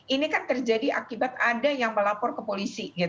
ini kan terjadi akibat ada yang melapor ke polisi